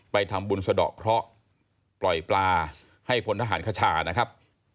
ไปทำบุญสะดอกเคราะห์ปล่อยปลาให้พลทหารคชานะครับ